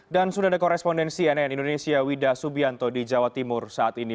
dan sudah ada korespondensi nn indonesia wida subianto di jawa timur saat ini